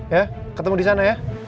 ya ketemu di sana ya